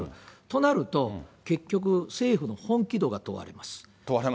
となると、結局、政府の本気度が問われます。